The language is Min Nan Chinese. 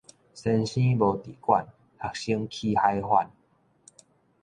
先生無佇館，學生起海反